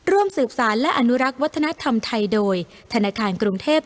ร่วมสืบสารและอนุรักษ์วัฒนธรรมไทยโดยธนาคารกรุงเทพ